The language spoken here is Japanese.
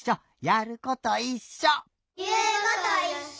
やることいっしょ！